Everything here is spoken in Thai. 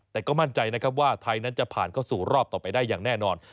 แต่ก็มั่นใจนะครับว่าไทยนั้นจะผ่านเข้าสู่รอบต่อไปได้อย่างแน่นอน